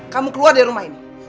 kamu keluar dari rumah ini